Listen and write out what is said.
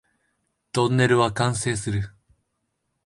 トンネルは完成する